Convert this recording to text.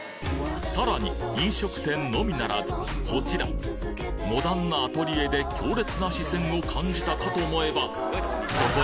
さらに飲食店のみならずこちらモダンなアトリエで強烈な視線を感じたかと思えばそこにはやっぱり青いだるま